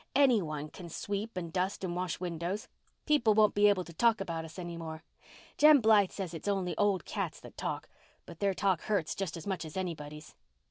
any one can sweep and dust and wash windows. People won't be able to talk about us any more. Jem Blythe says it's only old cats that talk, but their talk hurts just as much as anybody's."